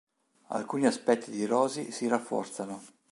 Alcuni sospetti di Rosie si rafforzano.